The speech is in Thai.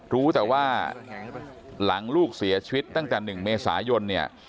รู้แต่ว่าหลังลูกเสียชีวิตตั้งแต่๑เมษายนเนี่ย